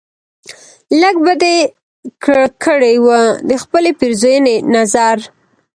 لږ به دې کړی و دخپلې پیرزوینې نظر